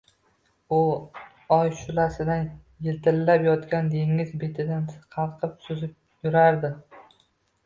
u oy shu’lasida yiltillab yotgan dengiz betida qalqib suzib yurardi.